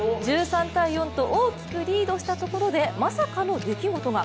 １３−４と大きくリードしたところでまさかの出来事が。